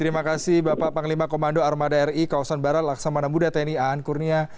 terima kasih bapak panglima komando armada ri kawasan barat laksamana muda tni aan kurnia